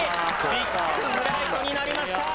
ビッグフライトになりました。